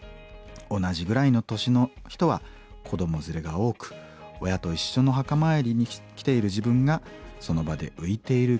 同じぐらいの年の人は子ども連れが多く親と一緒の墓参りに来ている自分がその場で浮いている気がしました」。